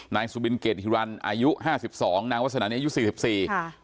นายสุบินเกรดฮิรันอายุห้าสิบสองนางวัฒนานี้อายุสี่สิบสี่ค่ะ